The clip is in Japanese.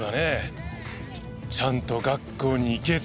ちゃんと学校に行けって。